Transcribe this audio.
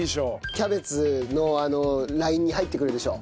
キャベツのあのラインに入ってくるでしょう。